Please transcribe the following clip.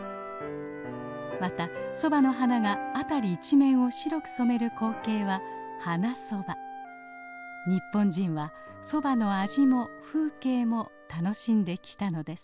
またソバの花が辺り一面を白く染める光景は日本人はソバの味も風景も楽しんできたのです。